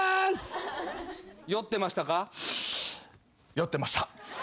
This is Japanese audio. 酔ってました。